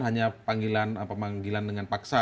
hanya panggilan dengan paksa